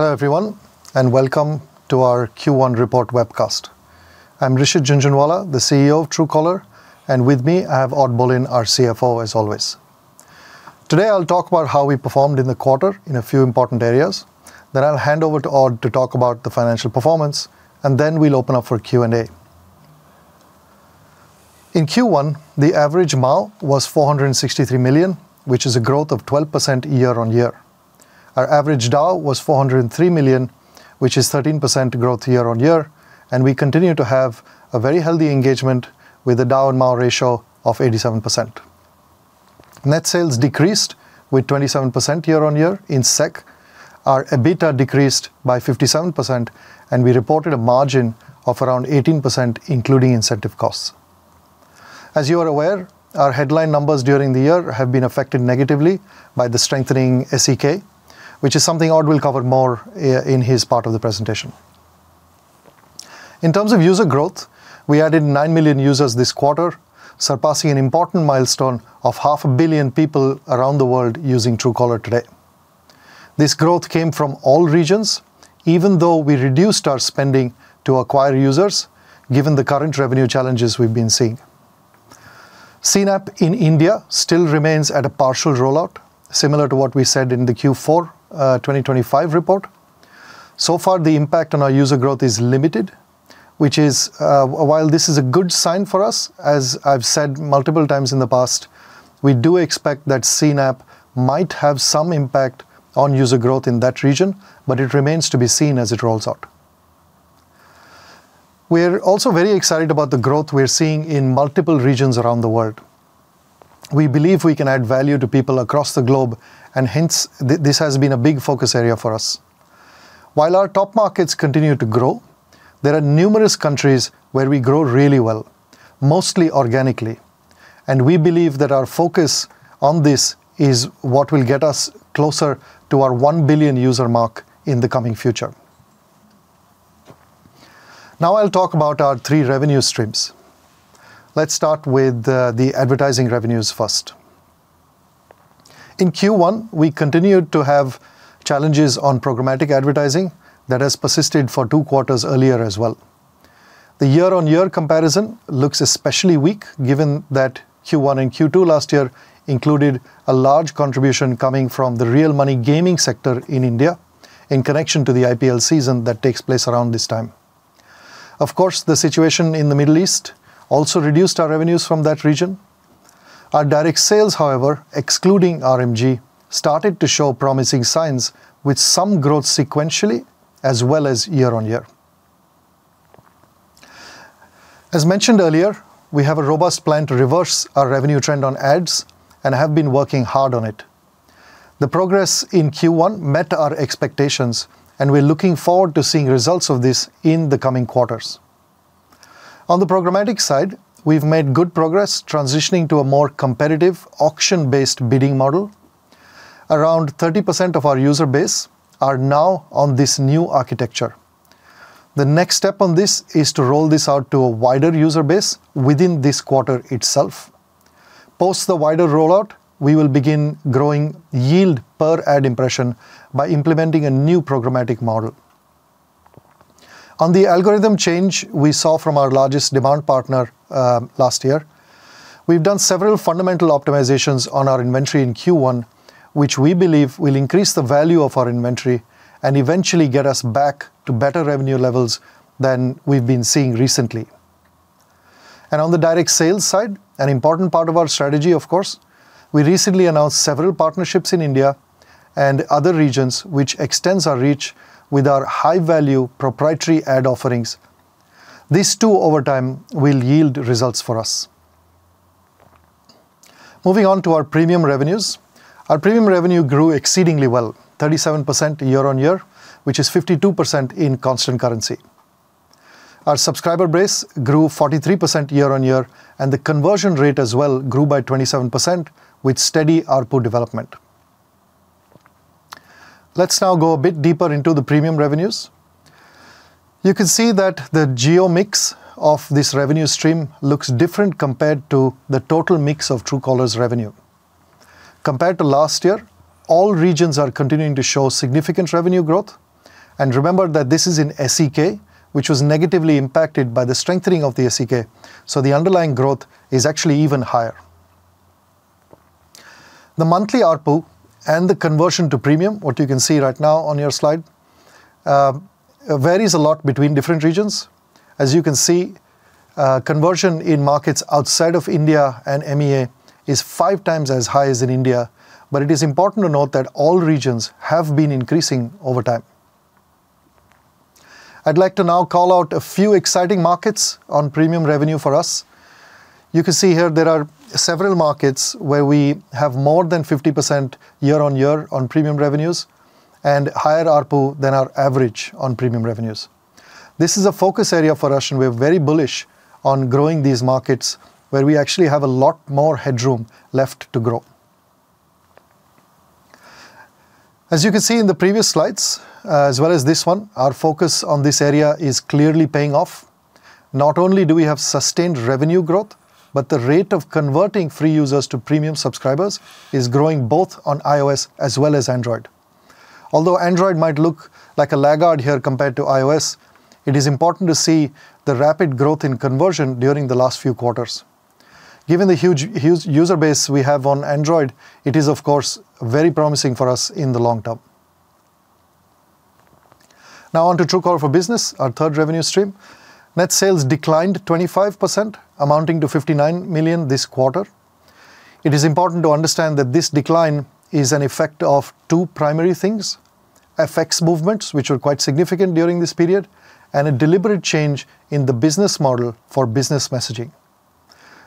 Hello, everyone, and welcome to our Q1 report webcast. I'm Rishit Jhunjhunwala, the CEO of Truecaller, and with me I have Odd Bolin, our CFO, as always. Today, I'll talk about how we performed in the quarter in a few important areas. I'll hand over to Odd to talk about the financial performance, and then we'll open up for Q&A. In Q1, the average MAU was 463 million, which is a growth of 12% year-on-year. Our average DAU was 403 million, which is 13% growth year-on-year, and we continue to have a very healthy engagement with the DAU and MAU ratio of 87%. Net sales decreased with 27% year-on-year in SEK. Our EBITDA decreased by 57%, and we reported a margin of around 18%, including incentive costs. As you are aware, our headline numbers during the year have been affected negatively by the strengthening SEK, which is something Odd will cover more in his part of the presentation. In terms of user growth, we added 9 million users this quarter, surpassing an important milestone of half a billion people around the world using Truecaller today. This growth came from all regions, even though we reduced our spending to acquire users, given the current revenue challenges we've been seeing. CNAP in India still remains at a partial rollout, similar to what we said in the Q4 2025 report. So far, the impact on our user growth is limited, which is, while this is a good sign for us, as I've said multiple times in the past, we do expect that CNAP might have some impact on user growth in that region, but it remains to be seen as it rolls out. We're also very excited about the growth we're seeing in multiple regions around the world. We believe we can add value to people across the globe, and hence, this has been a big focus area for us. While our top markets continue to grow, there are numerous countries where we grow really well, mostly organically, and we believe that our focus on this is what will get us closer to our 1 billion user mark in the coming future. I'll talk about our three revenue streams. Let's start with the advertising revenues first. In Q1, we continued to have challenges on programmatic advertising that has persisted for two quarters earlier as well. The year-on-year comparison looks especially weak given that Q1 and Q2 last year included a large contribution coming from the real money gaming sector in India in connection to the IPL season that takes place around this time. The situation in the Middle East also reduced our revenues from that region. Our direct sales, however, excluding RMG, started to show promising signs with some growth sequentially as well as year-on-year. As mentioned earlier, we have a robust plan to reverse our revenue trend on ads and have been working hard on it. The progress in Q1 met our expectations, and we're looking forward to seeing results of this in the coming quarters. On the programmatic side, we've made good progress transitioning to a more competitive auction-based bidding model. Around 30% of our user base are now on this new architecture. The next step on this is to roll this out to a wider user base within this quarter itself. Post the wider rollout, we will begin growing yield per ad impression by implementing a new programmatic model. On the algorithm change we saw from our largest demand partner last year, we've done several fundamental optimizations on our inventory in Q1, which we believe will increase the value of our inventory and eventually get us back to better revenue levels than we've been seeing recently. On the direct sales side, an important part of our strategy, of course, we recently announced several partnerships in India and other regions which extends our reach with our high-value proprietary ad offerings. These too, over time, will yield results for us. Moving on to our premium revenues. Our premium revenue grew exceedingly well, 37% year-on-year, which is 52% in constant currency. Our subscriber base grew 43% year-on-year, the conversion rate as well grew by 27% with steady ARPU development. Let's now go a bit deeper into the premium revenues. You can see that the geo mix of this revenue stream looks different compared to the total mix of Truecaller's revenue. Compared to last year, all regions are continuing to show significant revenue growth. Remember that this is in SEK, which was negatively impacted by the strengthening of the SEK, the underlying growth is actually even higher. The monthly ARPU and the conversion to premium, what you can see right now on your slide, varies a lot between different regions. As you can see, conversion in markets outside of India and MEA is five times as high as in India. It is important to note that all regions have been increasing over time. I'd like to now call out a few exciting markets on premium revenue for us. You can see here there are several markets where we have more than 50% year-over-year on premium revenues and higher ARPU than our average on premium revenues. This is a focus area for us. We're very bullish on growing these markets where we actually have a lot more headroom left to grow. As you can see in the previous slides, as well as this one, our focus on this area is clearly paying off. Not only do we have sustained revenue growth, but the rate of converting free users to premium subscribers is growing both on iOS as well as Android. Although Android might look like a laggard here compared to iOS, it is important to see the rapid growth in conversion during the last few quarters. Given the huge user base we have on Android, it is of course very promising for us in the long term. On to Truecaller for Business, our third revenue stream. Net sales declined 25%, amounting to 59 million this quarter. It is important to understand that this decline is an effect of two primary things: FX movements, which were quite significant during this period, and a deliberate change in the business model for business messaging.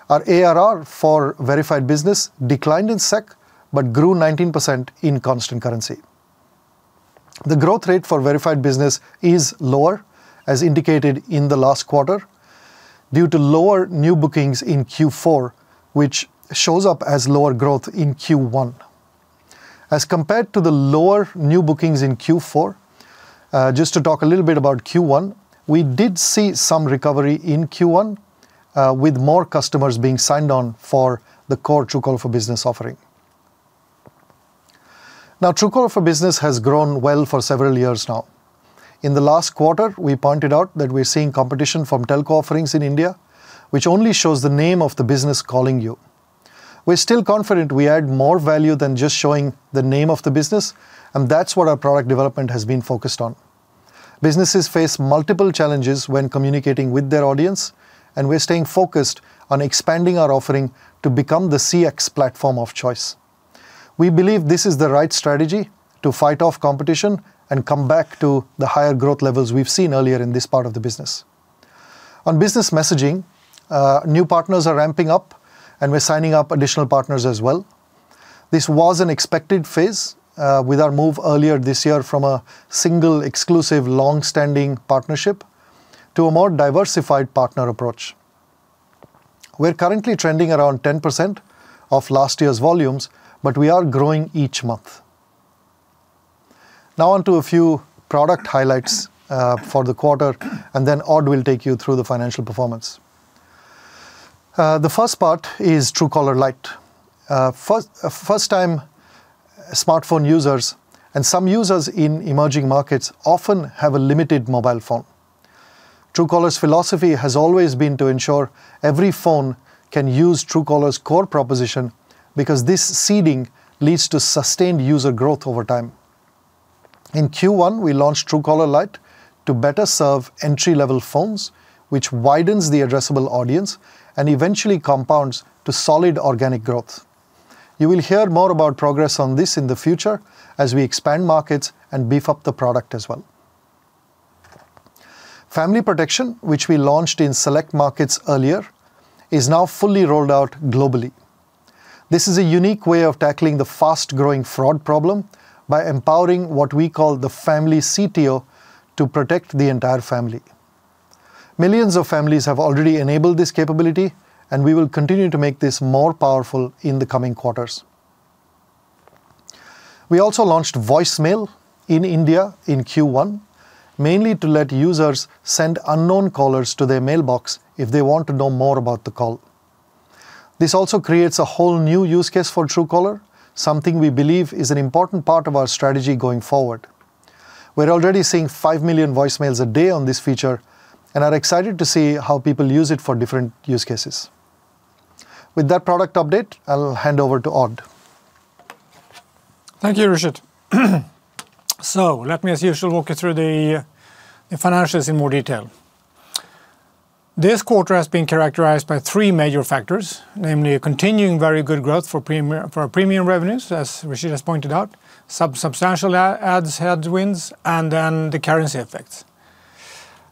Our ARR for verified business declined in SEK, grew 19% in constant currency. The growth rate for verified business is lower, as indicated in the last quarter, due to lower new bookings in Q4, which shows up as lower growth in Q1. Compared to the lower new bookings in Q4, just to talk a little bit about Q1, we did see some recovery in Q1 with more customers being signed on for the core Truecaller for Business offering. Truecaller for Business has grown well for several years now. In the last quarter, we pointed out that we're seeing competition from telco offerings in India, which only shows the name of the business calling you. We're still confident we add more value than just showing the name of the business, and that's what our product development has been focused on. Businesses face multiple challenges when communicating with their audience, and we're staying focused on expanding our offering to become the CX platform of choice. We believe this is the right strategy to fight off competition and come back to the higher growth levels we've seen earlier in this part of the business. On business messaging, new partners are ramping up, and we're signing up additional partners as well. This was an expected phase, with our move earlier this year from a single exclusive long-standing partnership to a more diversified partner approach. We're currently trending around 10% of last year's volumes, but we are growing each month. Now on to a few product highlights for the quarter, and then Odd will take you through the financial performance. The first part is Truecaller Lite. First time smartphone users and some users in emerging markets often have a limited mobile phone. Truecaller's philosophy has always been to ensure every phone can use Truecaller's core proposition because this seeding leads to sustained user growth over time. In Q1, we launched Truecaller Lite to better serve entry-level phones, which widens the addressable audience and eventually compounds to solid organic growth. You will hear more about progress on this in the future as we expand markets and beef up the product as well. Family Protection, which we launched in select markets earlier, is now fully rolled out globally. This is a unique way of tackling the fast-growing fraud problem by empowering what we call the family CTO to protect the entire family. Millions of families have already enabled this capability, and we will continue to make this more powerful in the coming quarters. We also launched Voicemail in India in Q1, mainly to let users send unknown callers to their mailbox if they want to know more about the call. This also creates a whole new use case for Truecaller, something we believe is an important part of our strategy going forward. We're already seeing 5 million voicemails a day on this feature and are excited to see how people use it for different use cases. With that product update, I'll hand over to Odd. Thank you, Rishit. Let me, as usual, walk you through the financials in more detail. This quarter has been characterized by three major factors, namely continuing very good growth for premium, for our premium revenues, as Rishit has pointed out, substantial ads headwinds, the currency effects.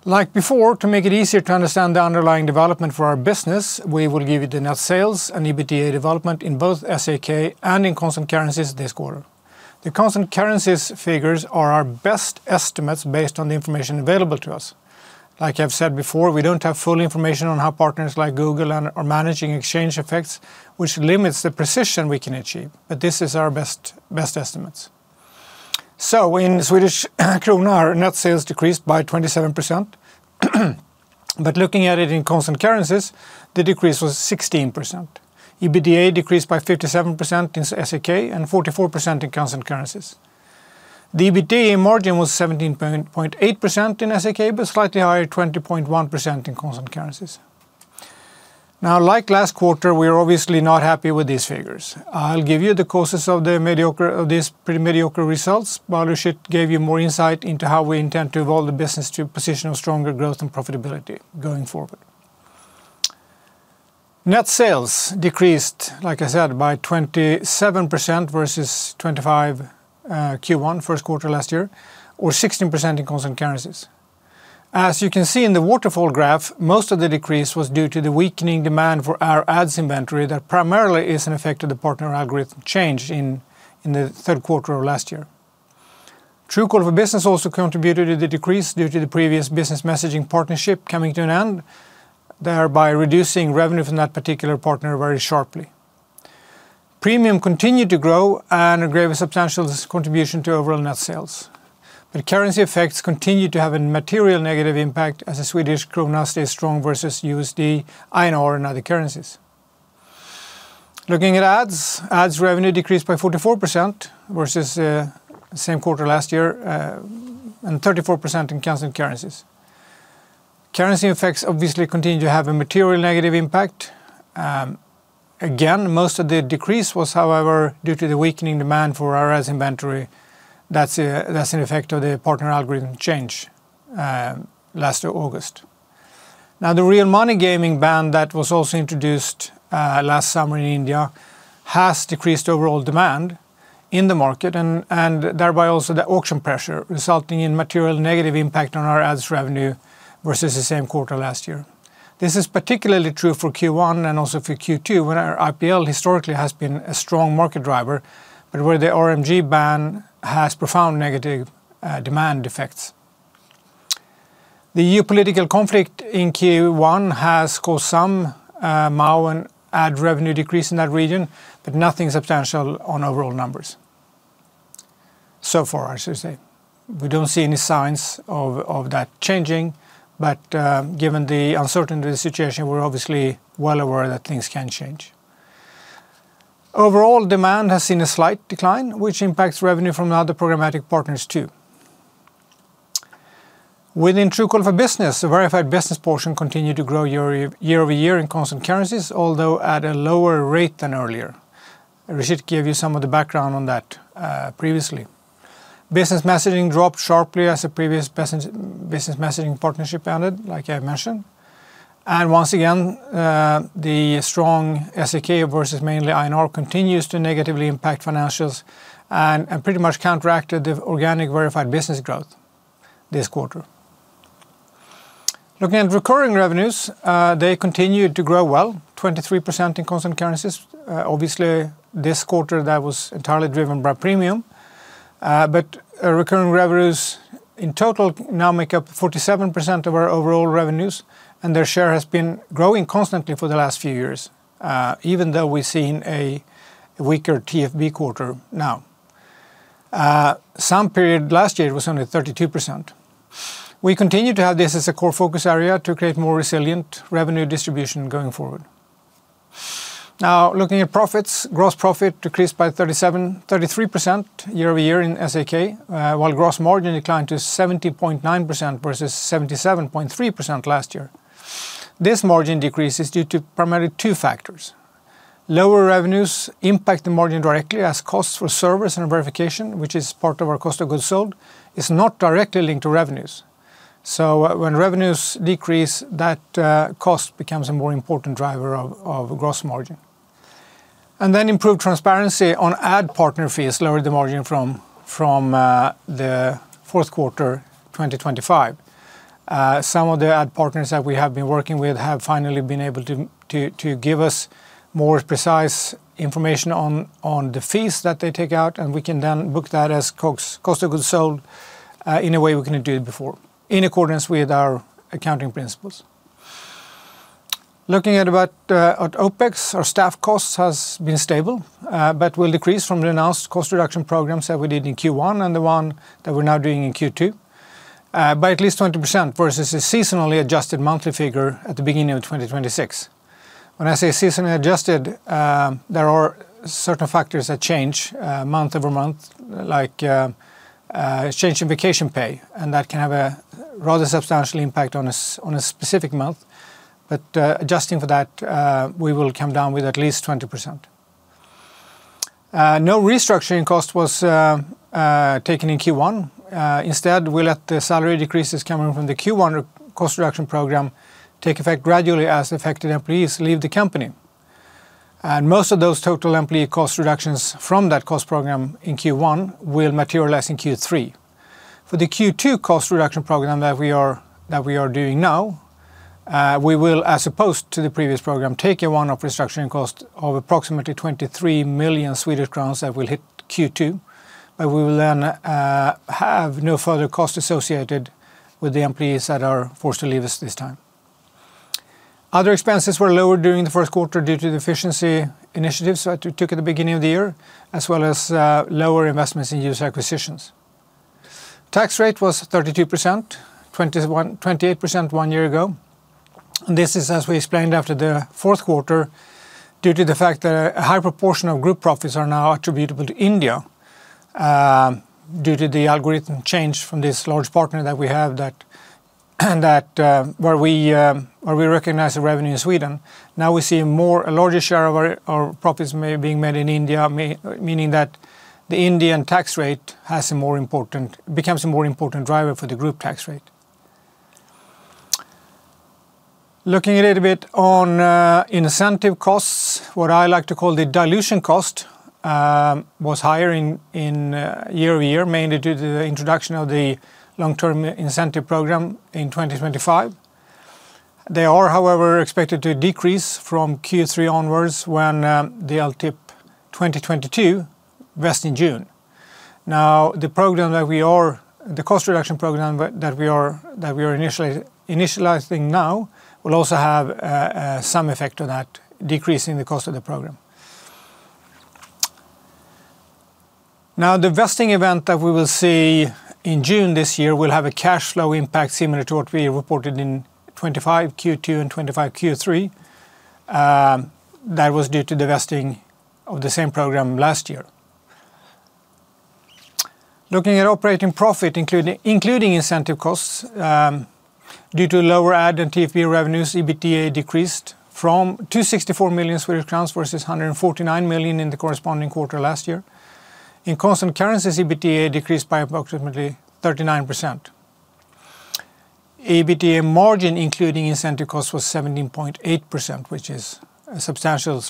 Like before, to make it easier to understand the underlying development for our business, we will give you the net sales and EBITDA development in both SEK and in constant currencies this quarter. The constant currencies figures are our best estimates based on the information available to us. Like I've said before, we don't have full information on how partners like Google are managing exchange effects, which limits the precision we can achieve, this is our best estimates. In Swedish krona, our net sales decreased by 27%. Looking at it in constant currencies, the decrease was 16%. EBITDA decreased by 57% in SEK and 44% in constant currencies. The EBITDA margin was 17.8% in SEK, but slightly higher, 20.1%, in constant currencies. Like last quarter, we're obviously not happy with these figures. I'll give you the causes of these pretty mediocre results, while Rishit gave you more insight into how we intend to evolve the business to a position of stronger growth and profitability going forward. Net sales decreased, like I said, by 27% versus 25, Q1, Q1 last year, or 16% in constant currencies. As you can see in the waterfall graph, most of the decrease was due to the weakening demand for our ads inventory that primarily is an effect of the partner algorithm change in the Q3 of last year. Truecaller for Business also contributed to the decrease due to the previous business messaging partnership coming to an end, thereby reducing revenue from that particular partner very sharply. Premium continued to grow and drove a substantial contribution to overall net sales. Currency effects continued to have a material negative impact as the Swedish krona stayed strong versus USD, INR, and other currencies. Looking at ads revenue decreased by 44% versus same quarter last year and 34% in constant currencies. Currency effects obviously continued to have a material negative impact. Again, most of the decrease was, however, due to the weakening demand for our ads inventory. That's, that's an effect of the partner algorithm change last of August. The real money gaming ban that was also introduced last summer in India has decreased overall demand in the market and thereby also the auction pressure, resulting in material negative impact on our ads revenue versus the same quarter last year. This is particularly true for Q1 and also for Q2, when our IPL historically has been a strong market driver, but where the RMG ban has profound negative demand effects. The geopolitical conflict in Q1 has caused some MAU and ad revenue decrease in that region, but nothing substantial on overall numbers, so far I should say. We don't see any signs of that changing, but given the uncertainty of the situation, we're obviously well aware that things can change. Overall, demand has seen a slight decline, which impacts revenue from other programmatic partners too. Within Truecaller for Business, the verified business portion continued to grow year over year in constant currencies, although at a lower rate than earlier. Rishit gave you some of the background on that previously. Business messaging dropped sharply as a previous business messaging partnership ended, like I mentioned. Once again, the strong SEK versus mainly INR continues to negatively impact financials and pretty much counteracted the organic verified business growth this quarter. Looking at recurring revenues, they continued to grow well, 23% in constant currencies. Obviously, this quarter that was entirely driven by premium. Recurring revenues in total now make up 47% of our overall revenues, and their share has been growing constantly for the last few years, even though we've seen a weaker TFB quarter now. Some period last year it was only 32%. We continue to have this as a core focus area to create more resilient revenue distribution going forward. Looking at profits. Gross profit decreased by 33% year-over-year in SEK, while gross margin declined to 70.9% versus 77.3% last year. This margin decrease is due to primarily two factors. Lower revenues impact the margin directly as costs for service and verification, which is part of our cost of goods sold, is not directly linked to revenues. When revenues decrease, that cost becomes a more important driver of gross margin. Improved transparency on ad partner fees lowered the margin from Q4 2025. Some of the ad partners that we have been working with have finally been able to give us more precise information on the fees that they take out, and we can then book that as cost of goods sold in a way we couldn't do it before, in accordance with our accounting principles. Looking at what at OPEX. Our staff costs has been stable, but will decrease from the announced cost reduction programs that we did in Q1 and the one that we're now doing in Q2, by at least 20% versus a seasonally adjusted monthly figure at the beginning of 2026. When I say seasonally adjusted, there are certain factors that change month-over-month, like change in vacation pay, and that can have a rather substantial impact on a specific month. Adjusting for that, we will come down with at least 20%. No restructuring cost was taken in Q1. Instead, we let the salary decreases coming from the Q1 cost reduction program take effect gradually as affected employees leave the company. Most of those total employee cost reductions from that cost program in Q1 will materialize in Q3. For the Q2 cost reduction program that we are doing now, we will, as opposed to the previous program, take a one-off restructuring cost of approximately 23 million Swedish crowns that will hit Q2. We will then have no further cost associated with the employees that are forced to leave us this time. Other expenses were lower during the Q1 due to the efficiency initiatives that we took at the beginning of the year, as well as lower investments in user acquisitions. Tax rate was 32%, 28% one year ago. This is, as we explained after the Q4, due to the fact that a high proportion of group profits are now attributable to India, due to the algorithm change from this large partner that we have that, where we recognize the revenue in Sweden. Now we see a larger share of our profits are being made in India, meaning that the Indian tax rate becomes a more important driver for the group tax rate. Looking a little bit on incentive costs. What I like to call the dilution cost was higher in year-over-year, mainly due to the introduction of the Long-Term Incentive Program in 2025. They are, however, expected to decrease from Q3 onwards when the LTIP 2022 vests in June. The cost reduction program that we are initializing now will also have some effect on that, decreasing the cost of the program. The vesting event that we will see in June this year will have a cash flow impact similar to what we reported in 2025 Q2 and 2025 Q3. That was due to the vesting of the same program last year. Looking at operating profit including incentive costs, due to lower ad and TFB revenues, EBITDA decreased from 264 million Swedish crowns versus 149 million in the corresponding quarter last year. In constant currencies, EBITDA decreased by approximately 39%. EBITDA margin, including incentive cost, was 17.8%, which is a substantial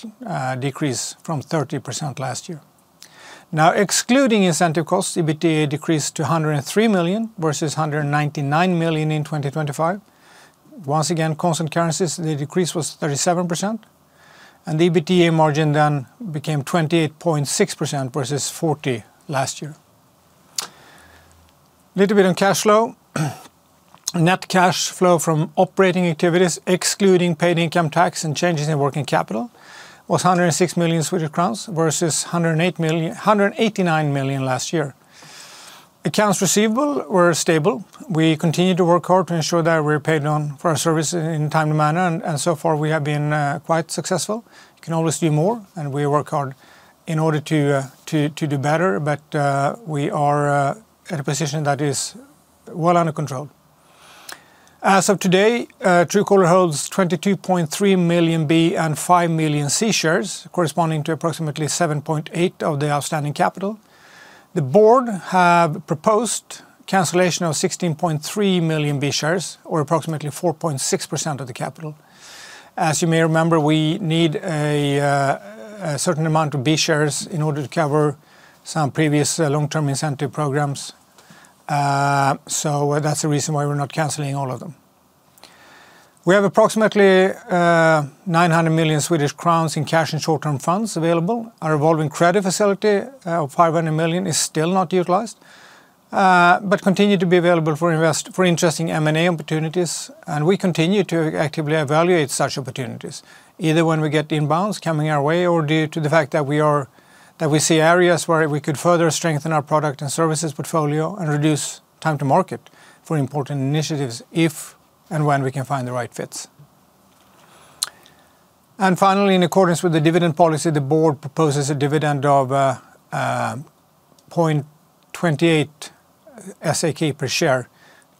decrease from 30% last year. Excluding incentive costs, EBITDA decreased to 103 million versus 199 million in 2025. Constant currencies, the decrease was 37%, the EBITDA margin then became 28.6% versus 40% last year. Little bit on cash flow. Net cash flow from operating activities, excluding paid income tax and changes in working capital, was 106 million Swedish crowns versus 189 million last year. Accounts receivable were stable. We continued to work hard to ensure that we're paid on for our service in a timely manner, and so far we have been quite successful. You can always do more, we work hard in order to do better. We are at a position that is well under control. As of today, Truecaller holds 22.3 million B and 5 million C shares, corresponding to approximately 7.8 of the outstanding capital. The board have proposed cancellation of 16.3 million B shares, or approximately 4.6% of the capital. As you may remember, we need a certain amount of B shares in order to cover some previous long-term incentive programs. That's the reason why we're not canceling all of them. We have approximately 900 million Swedish crowns in cash and short-term funds available. Our revolving credit facility of 500 million is still not utilized, but continue to be available for interesting M&A opportunities, and we continue to actively evaluate such opportunities, either when we get inbounds coming our way or due to the fact that we see areas where we could further strengthen our product and services portfolio and reduce time to market for important initiatives if and when we can find the right fits. Finally, in accordance with the dividend policy, the board proposes a dividend of 0.28 per share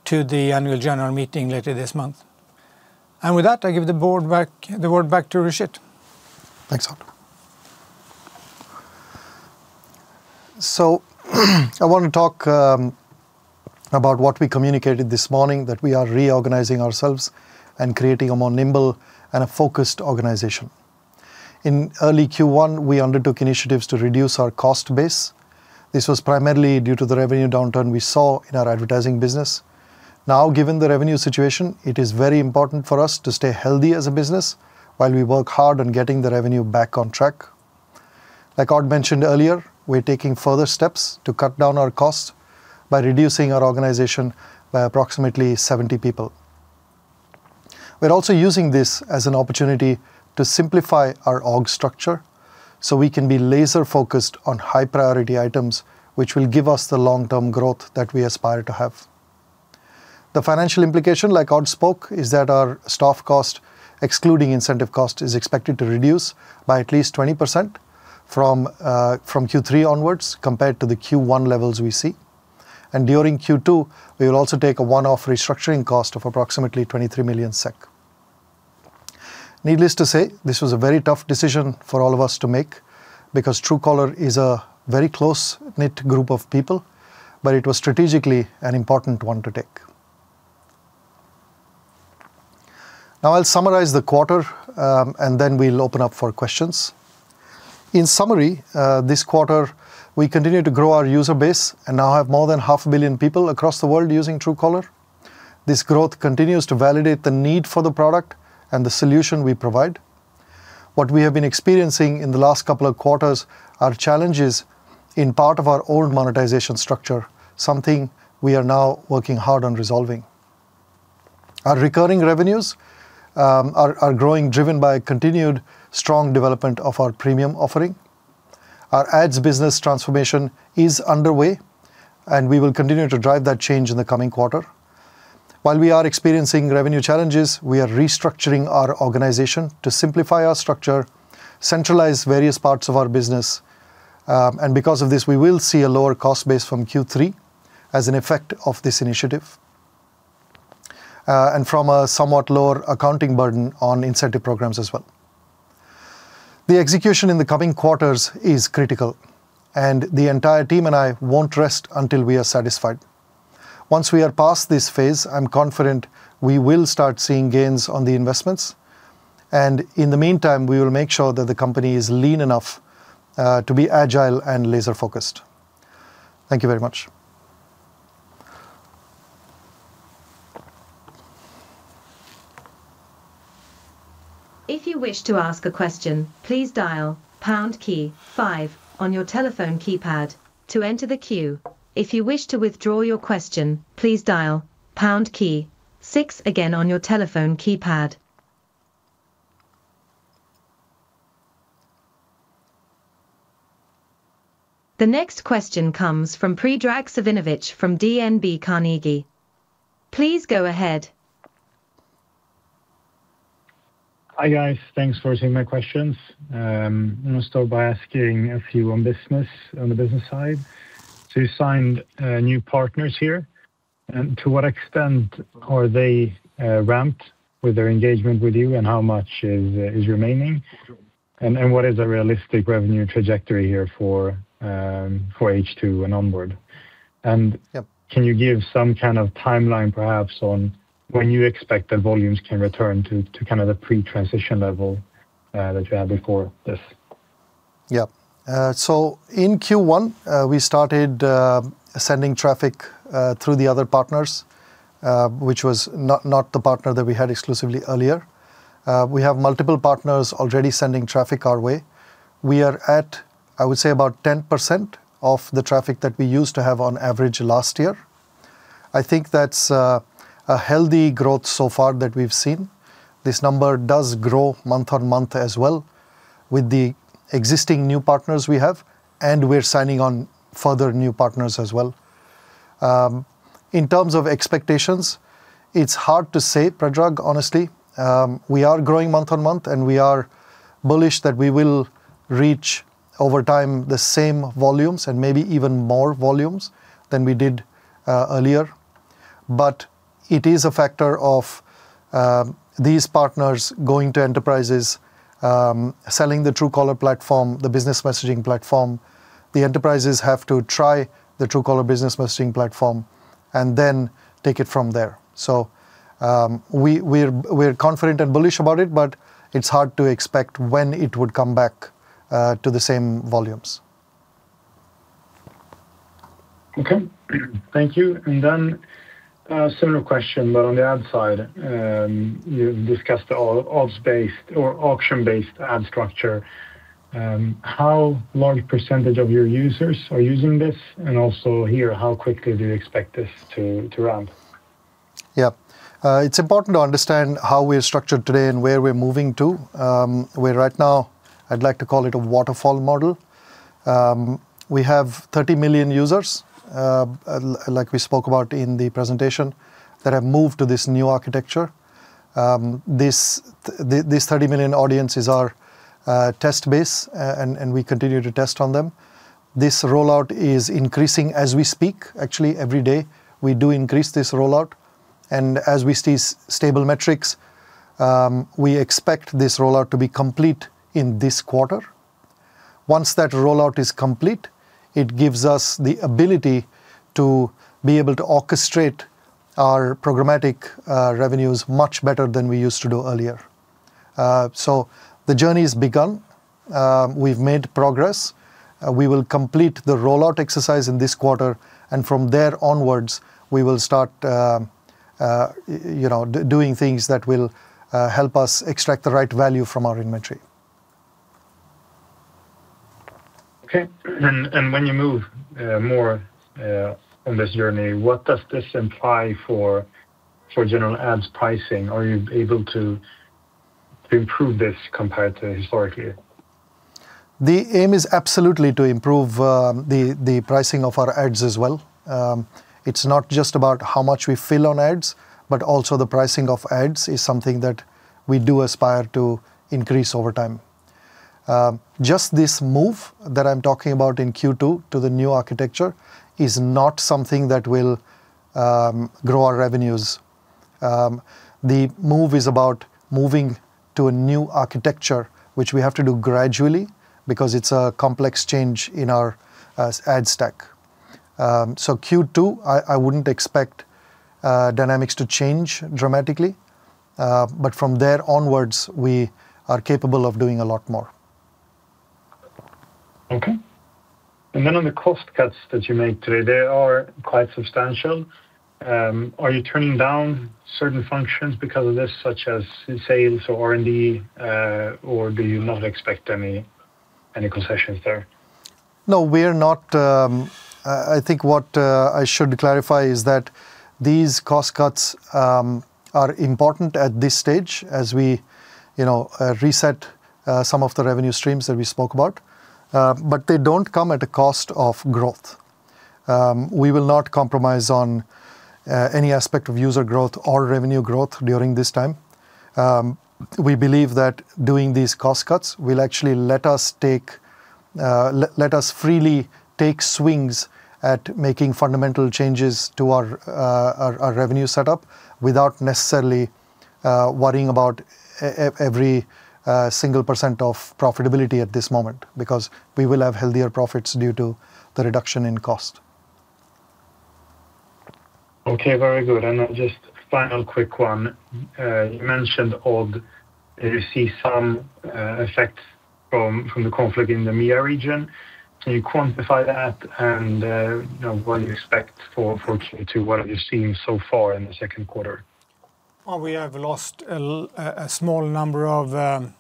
to the annual general meeting later this month. With that, I give the word back to Rishit. Thanks, Odd. I want to talk about what we communicated this morning, that we are reorganizing ourselves and creating a more nimble and a focused organization. In early Q1, we undertook initiatives to reduce our cost base. This was primarily due to the revenue downturn we saw in our advertising business. Given the revenue situation, it is very important for us to stay healthy as a business while we work hard on getting the revenue back on track. Like Odd mentioned earlier, we're taking further steps to cut down our costs by reducing our organization by approximately 70 people. We're also using this as an opportunity to simplify our org structure we can be laser-focused on high-priority items, which will give us the long-term growth that we aspire to have. The financial implication, like Odd spoke, is that our staff cost, excluding incentive cost, is expected to reduce by at least 20% from Q3 onwards compared to the Q1 levels we see. During Q2, we will also take a one-off restructuring cost of approximately 23 million SEK. Needless to say, this was a very tough decision for all of us to make because Truecaller is a very close-knit group of people, but it was strategically an important one to take. Now I'll summarize the quarter, then we'll open up for questions. In summary, this quarter, we continued to grow our user base and now have more than half a billion people across the world using Truecaller. This growth continues to validate the need for the product and the solution we provide. What we have been experiencing in the last couple of quarters are challenges in part of our old monetization structure, something we are now working hard on resolving. Our recurring revenues are growing, driven by continued strong development of our premium offering. Our ads business transformation is underway, and we will continue to drive that change in the coming quarter. While we are experiencing revenue challenges, we are restructuring our organization to simplify our structure, centralize various parts of our business, and because of this, we will see a lower cost base from Q3 as an effect of this initiative, and from a somewhat lower accounting burden on incentive programs as well. The execution in the coming quarters is critical, and the entire team and I won't rest until we are satisfied. Once we are past this phase, I'm confident we will start seeing gains on the investments, and in the meantime, we will make sure that the company is lean enough to be agile and laser-focused. Thank you very much. The next question comes from Predrag Savinovic from DNB Carnegie. Please go ahead. Hi, guys. Thanks for taking my questions. I'm gonna start by asking a few on business, on the business side. You signed new partners here, and to what extent are they ramped with their engagement with you, and how much is remaining? What is a realistic revenue trajectory here for H2 and onward? Yep Can you give some kind of timeline perhaps on when you expect the volumes can return to kind of the pre-transition level that you had before this? In Q1, we started sending traffic through the other partners, which was not the partner that we had exclusively earlier. We have multiple partners already sending traffic our way. We are at, I would say, about 10% of the traffic that we used to have on average last year. I think that's a healthy growth so far that we've seen. This number does grow month-on-month as well with the existing new partners we have, and we're signing on further new partners as well. In terms of expectations, it's hard to say, Predrag, honestly. We are growing month-on-month, and we are bullish that we will reach over time the same volumes and maybe even more volumes than we did earlier. It is a factor of these partners going to enterprises, selling the Truecaller platform, the business messaging platform. The enterprises have to try the Truecaller business messaging platform and then take it from there. We're confident and bullish about it, but it's hard to expect when it would come back to the same volumes. Okay. Thank you. Then a similar question, but on the ad side. You've discussed all ads-based or auction-based ad structure. How large percentage of your users are using this? Also here, how quickly do you expect this to ramp? Yeah. It's important to understand how we're structured today and where we're moving to. We're right now, I'd like to call it a waterfall model. We have 30 million users, like we spoke about in the presentation, that have moved to this new architecture. This 30 million audience is our test base, and we continue to test on them. This rollout is increasing as we speak. Actually, every day, we do increase this rollout. As we see stable metrics, we expect this rollout to be complete in this quarter. Once that rollout is complete, it gives us the ability to be able to orchestrate our programmatic revenues much better than we used to do earlier. The journey has begun. We've made progress. We will complete the rollout exercise in this quarter, and from there onwards, we will start, you know, doing things that will help us extract the right value from our inventory. Okay. When you move more on this journey, what does this imply for general ads pricing? Are you able to improve this compared to historically? The aim is absolutely to improve the pricing of our ads as well. It's not just about how much we fill on ads, but also the pricing of ads is something that we do aspire to increase over time. Just this move that I'm talking about in Q2 to the new architecture is not something that will grow our revenues. The move is about moving to a new architecture, which we have to do gradually because it's a complex change in our ad stack. Q2, I wouldn't expect dynamics to change dramatically, but from there onwards, we are capable of doing a lot more. Okay. On the cost cuts that you made today, they are quite substantial. Are you turning down certain functions because of this, such as sales or R&D, or do you not expect any concessions there? We're not. I think what I should clarify is that these cost cuts are important at this stage as we, you know, reset some of the revenue streams that we spoke about. They don't come at a cost of growth. We will not compromise on any aspect of user growth or revenue growth during this time. We believe that doing these cost cuts will actually let us freely take swings at making fundamental changes to our our revenue setup without necessarily worrying about every single percent of profitability at this moment, because we will have healthier profits due to the reduction in cost. Okay, very good. Just final quick one. You mentioned Odd. You see some effect from the conflict in the MEA region. Can you quantify that and what do you expect for Q2? What are you seeing so far in the Q2? Well, we have lost a small number of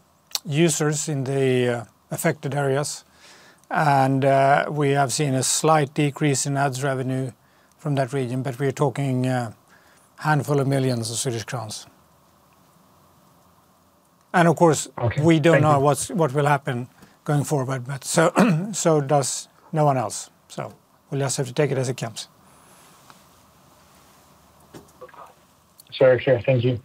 users in the affected areas. We have seen a slight decrease in ads revenue from that region, but we are talking handful of millions of SEK. Okay. Thank you. We don't know what will happen going forward, but so does no one else. We'll just have to take it as it comes. Sure, sure. Thank you.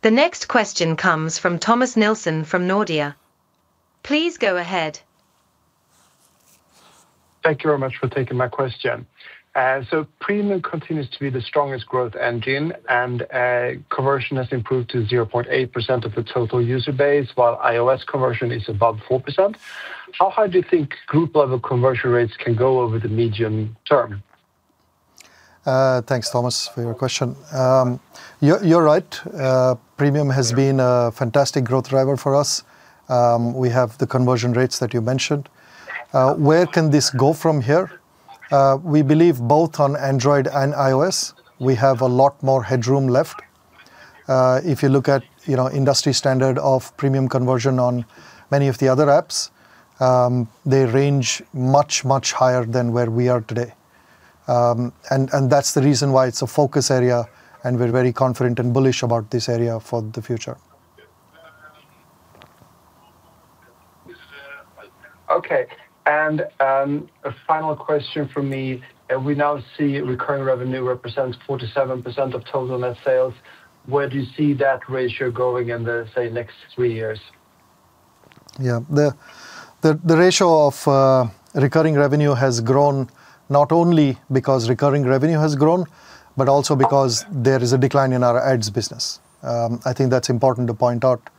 The next question comes from Thomas Nilsson from Nordea. Please go ahead. Thank you very much for taking my question. premium continues to be the strongest growth engine, and conversion has improved to 0.8% of the total user base while iOS conversion is above 4%. How high do you think group level conversion rates can go over the medium term? Thanks, Thomas, for your question. You're, you're right. Premium has been a fantastic growth driver for us. We have the conversion rates that you mentioned. Where can this go from here? We believe both on Android and iOS, we have a lot more headroom left. If you look at, you know, industry standard of Premium conversion on many of the other apps, they range much, much higher than where we are today. That's the reason why it's a focus area, and we're very confident and bullish about this area for the future. Okay. A final question from me. We now see recurring revenue represents 47% of total net sales. Where do you see that ratio going in the, say, next three years? Yeah. The ratio of recurring revenue has grown not only because recurring revenue has grown, but also because there is a decline in our ads business. I think that's important to point out.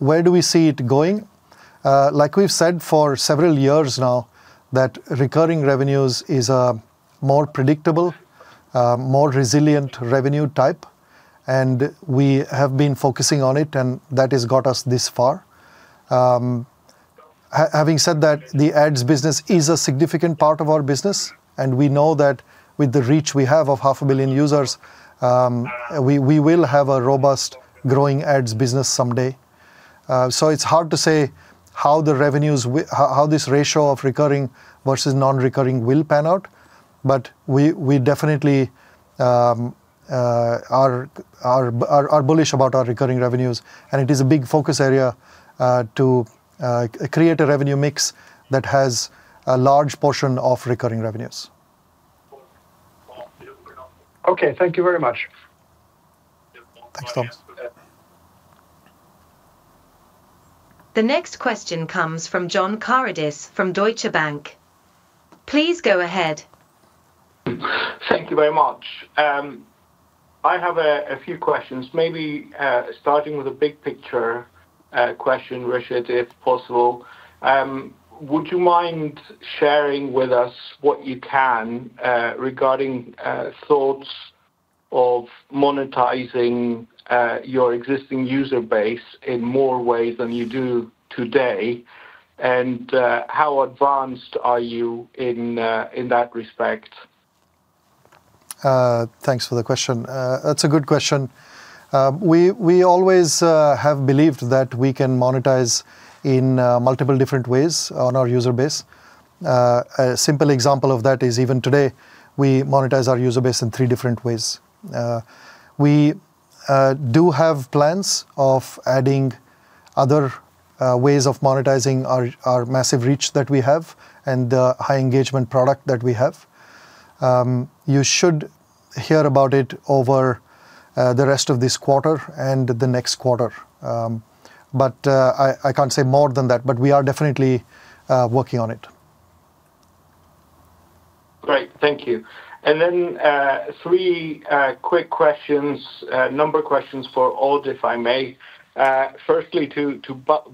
Where do we see it going? Like we've said for several years now that recurring revenues is a more predictable, more resilient revenue type, and we have been focusing on it, and that has got us this far. Having said that, the ads business is a significant part of our business, and we know that with the reach we have of half a billion users, we will have a robust growing ads business someday. It's hard to say how the revenues how this ratio of recurring versus non-recurring will pan out. We definitely are bullish about our recurring revenues, and it is a big focus area to create a revenue mix that has a large portion of recurring revenues. Okay. Thank you very much. Thanks, Thomas. The next question comes from John Karidis from Deutsche Bank. Please go ahead. Thank you very much. I have a few questions, maybe starting with a big picture question, Rishit, if possible. Would you mind sharing with us what you can regarding thoughts of monetizing your existing user base in more ways than you do today, and how advanced are you in that respect? Thanks for the question. That's a good question. We always have believed that we can monetize in multiple different ways on our user base. A simple example of that is even today, we monetize our user base in three different ways. We do have plans of adding other ways of monetizing our massive reach that we have and the high engagement product that we have. You should hear about it over the rest of this quarter and the next quarter. I can't say more than that, but we are definitely working on it. Great. Thank you. Then, three quick questions, number questions for Odd, if I may. Firstly, to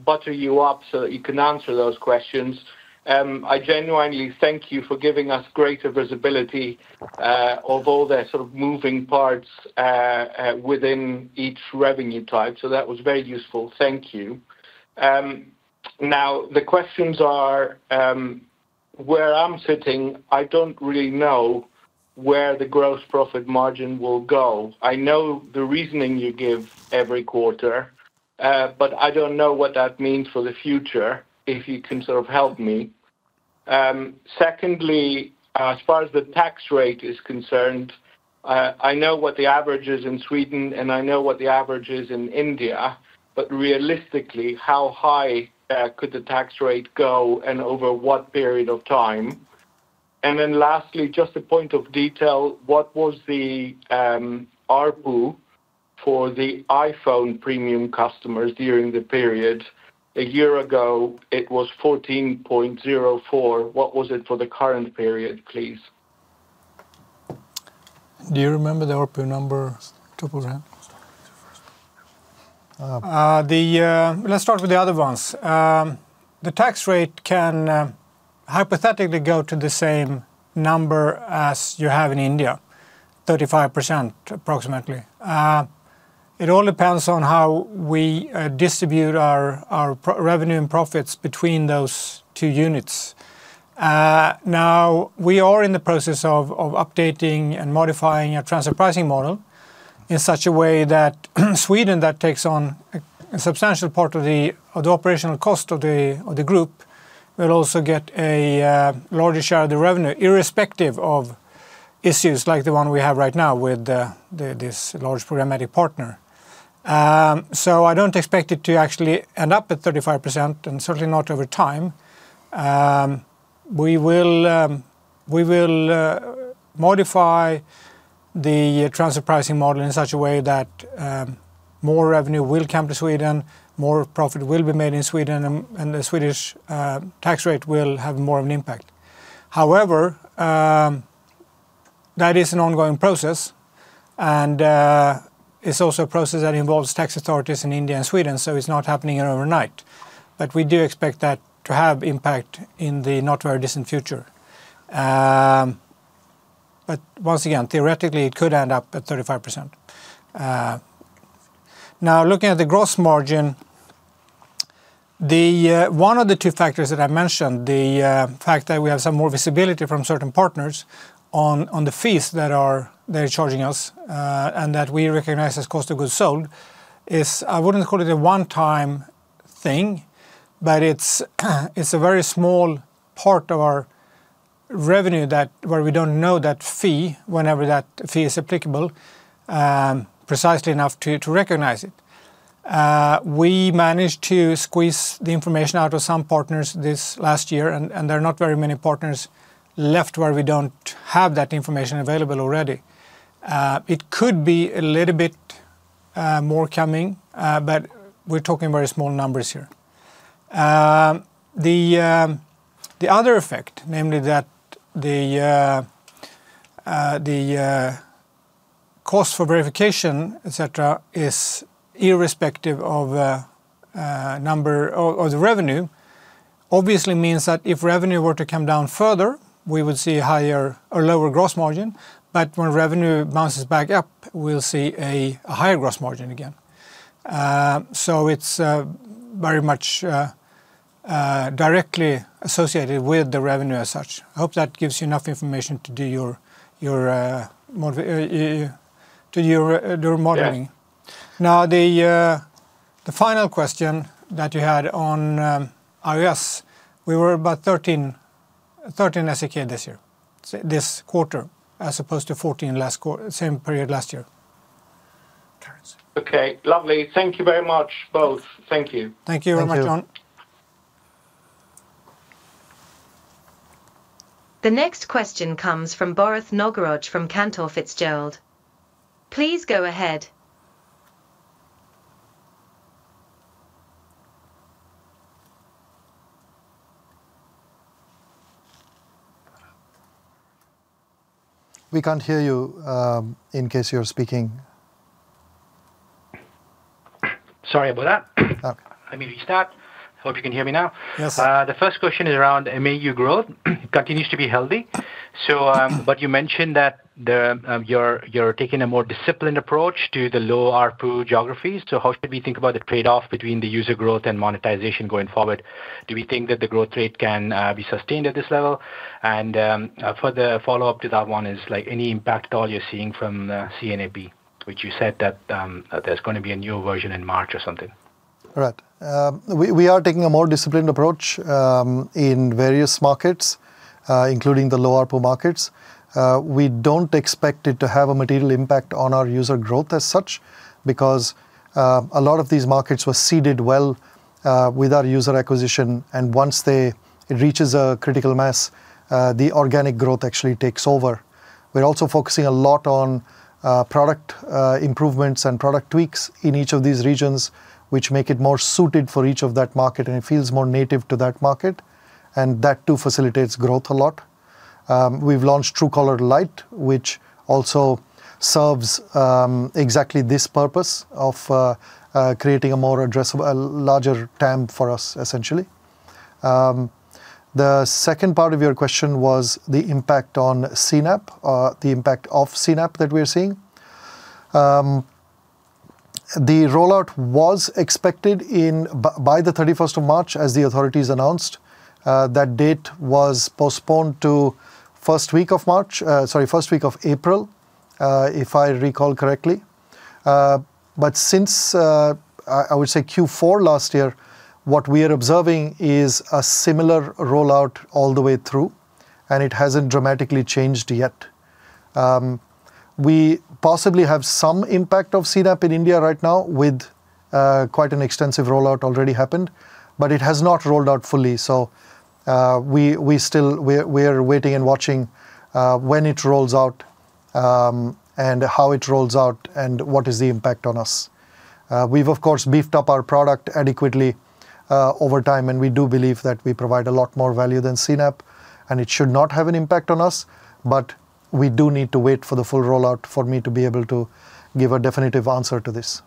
butter you up so that you can answer those questions. I genuinely thank you for giving us greater visibility of all the sort of moving parts within each revenue type. That was very useful. Thank you. Now the questions are, where I'm sitting, I don't really know where the gross profit margin will go. I know the reasoning you give every quarter, but I don't know what that means for the future, if you can sort of help me. Secondly, as far as the tax rate is concerned, I know what the average is in Sweden, and I know what the average is in India. Realistically, how high could the tax rate go and over what period of time? Lastly, just a point of detail, what was the ARPU for the iPhone premium customers during the period? A year ago, it was 14.04. What was it for the current period, please? Do you remember the ARPU number, Topguard? Let's start with the other ones. The tax rate can hypothetically go to the same number as you have in India, 35% approximately. It all depends on how we distribute our revenue and profits between those two units. Now, we are in the process of updating and modifying a transfer pricing model in such a way that Sweden that takes on a substantial part of the operational cost of the group will also get a larger share of the revenue, irrespective of issues like the one we have right now with this large programmatic partner. I don't expect it to actually end up at 35%, and certainly not over time. We will modify the transfer pricing model in such a way that more revenue will come to Sweden, more profit will be made in Sweden and the Swedish tax rate will have more of an impact. That is an ongoing process and it's also a process that involves tax authorities in India and Sweden, it's not happening overnight. We do expect that to have impact in the not very distant future. Once again, theoretically, it could end up at 35%. Now, looking at the gross margin, one of the two factors that I mentioned, the fact that we have some more visibility from certain partners on the fees that they're charging us, and that we recognize as cost of goods sold is I wouldn't call it a one-time thing, but it's a very small part of our revenue that where we don't know that fee whenever that fee is applicable, precisely enough to recognize it. We managed to squeeze the information out of some partners this last year, and there are not very many partners left where we don't have that information available already. It could be a little bit more coming, but we're talking very small numbers here. The other effect, namely that the cost for verification, et cetera, is irrespective of number or the revenue, obviously means that if revenue were to come down further, we would see higher or lower gross margin. When revenue bounces back up, we'll see a higher gross margin again. It's very much directly associated with the revenue as such. I hope that gives you enough information to do your modeling. Yeah. The final question that you had on iOS, we were about 13 this year, this quarter, as opposed to 14 same period last year. Thanks. Okay, lovely. Thank you very much, both. Thank you. Thank you very much, John. Thank you. The next question comes from Bharath Nagaraj from Cantor Fitzgerald. Please go ahead. We can't hear you, in case you're speaking. Sorry about that. Okay. Let me restart. Hope you can hear me now. Yes. The first question is around MAU growth continues to be healthy. But you mentioned that the, you're taking a more disciplined approach to the low ARPU geographies. How should we think about the trade-off between the user growth and monetization going forward? Do we think that the growth rate can be sustained at this level? For the follow-up to that one is like any impact at all you're seeing from CNAP, which you said that there's gonna be a new version in March or something? Right. We are taking a more disciplined approach in various markets, including the low ARPU markets. We don't expect it to have a material impact on our user growth as such because a lot of these markets were seeded well with our user acquisition, and once it reaches a critical mass, the organic growth actually takes over. We're also focusing a lot on product improvements and product tweaks in each of these regions, which make it more suited for each of that market and it feels more native to that market, and that too facilitates growth a lot. We've launched Truecaller Lite, which also serves exactly this purpose of creating a more addressable a larger TAM for us, essentially. The second part of your question was the impact on CNAP, the impact of CNAP that we are seeing. The rollout was expected in by the 31st of March, as the authorities announced. That date was postponed to 1st week of March, sorry, 1st week of April, if I recall correctly. Since I would say Q4 last year, what we are observing is a similar rollout all the way through, and it hasn't dramatically changed yet. We possibly have some impact of CNAP in India right now with quite an extensive rollout already happened, but it has not rolled out fully. We are waiting and watching when it rolls out, and how it rolls out and what is the impact on us. We've of course beefed up our product adequately over time, and we do believe that we provide a lot more value than CNAP, and it should not have an impact on us. We do need to wait for the full rollout for me to be able to give a definitive answer to this.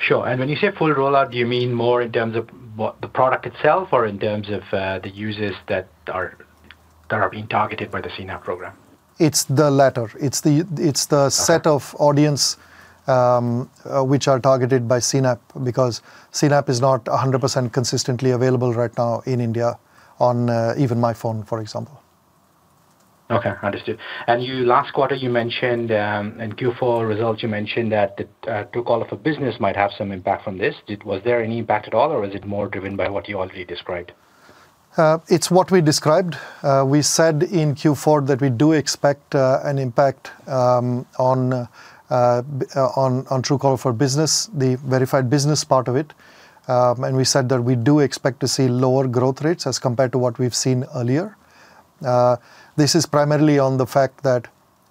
Sure. When you say full rollout, do you mean more in terms of what the product itself or in terms of the users that are being targeted by the CNAP program? It's the latter. It's the set of audience, which are targeted by CNAP because CNAP is not 100% consistently available right now in India on, even my phone, for example. Okay. Understood. Last quarter, you mentioned, in Q4 results, you mentioned that the Truecaller for Business might have some impact from this. Was there any impact at all, or is it more driven by what you already described? It's what we described. We said in Q4 that we do expect an impact on Truecaller for Business, the verified business part of it. We said that we do expect to see lower growth rates as compared to what we've seen earlier. This is primarily on the fact that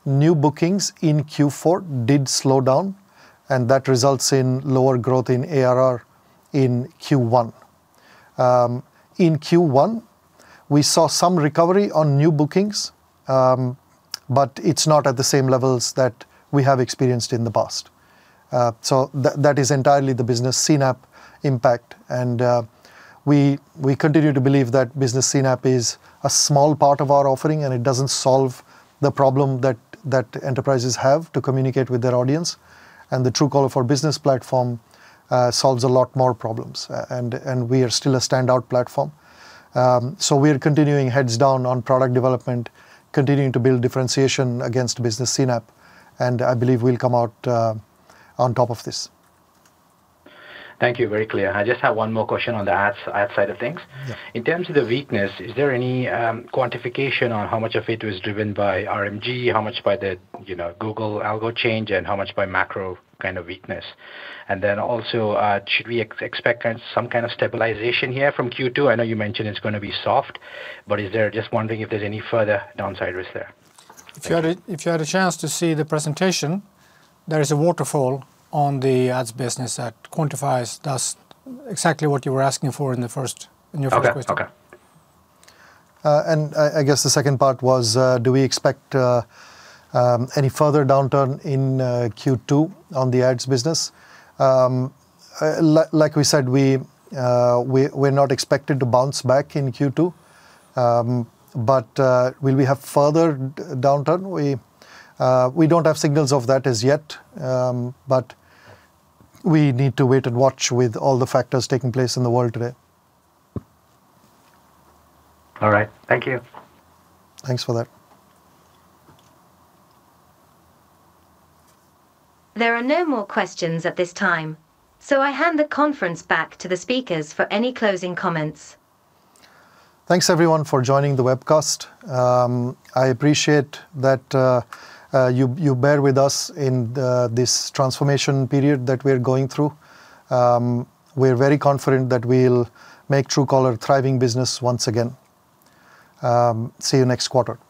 new bookings in Q4 did slow down, and that results in lower growth in ARR in Q1. In Q1, we saw some recovery on new bookings, but it's not at the same levels that we have experienced in the past. That is entirely the business CNAP impact. We continue to believe that business CNAP is a small part of our offering, and it doesn't solve the problem that enterprises have to communicate with their audience. The Truecaller for Business platform solves a lot more problems. We are still a standout platform. We're continuing heads down on product development, continuing to build differentiation against business C-NAP, and I believe we'll come out on top of this. Thank you. Very clear. I just have one more question on the ads, ad side of things. Yeah. In terms of the weakness, is there any quantification on how much of it was driven by RMG, how much by the, you know, Google algo change, and how much by macro kind of weakness? Also, should we expect some kind of stabilization here from Q2? I know you mentioned it's gonna be soft, but Just wondering if there's any further downside risk there. If you had a chance to see the presentation, there is a waterfall on the ads business that quantifies, does exactly what you were asking for in your first question. Okay. Okay. I guess the second part was, do we expect any further downturn in Q2 on the ads business? Like we said, we're not expected to bounce back in Q2. Will we have further downturn? We don't have signals of that as yet, but we need to wait and watch with all the factors taking place in the world today. All right. Thank you. Thanks for that. There are no more questions at this time, so I hand the conference back to the speakers for any closing comments. Thanks everyone for joining the webcast. I appreciate that you bear with us in this transformation period that we're going through. We're very confident that we'll make Truecaller a thriving business once again. See you next quarter.